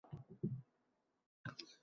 Yangi yil, yangi o'n yillik boshlanmoqda